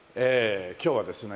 今日はですね